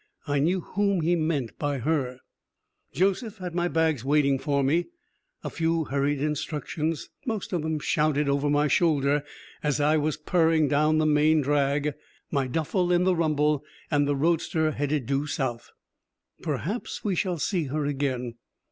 I knew whom he meant by "her." Josef had my bags waiting for me. A few hurried instructions, most of them shouted over my shoulder, and I was purring down the main drag, my duffel in the rumble, and the roadster headed due south. "Perhaps we shall see her again."